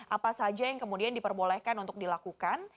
apa saja yang kemudian diperbolehkan untuk dilakukan